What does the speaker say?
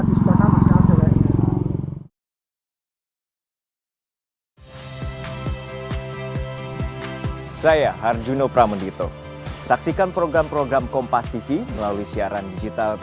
di sebelah sana masih ada